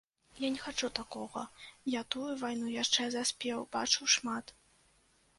Я не хачу такога, я тую вайну яшчэ заспеў, бачыў шмат.